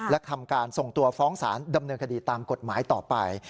และทำการส่งตัวฟ้องสารดำเนินคดีตามกฎหมายต่อไป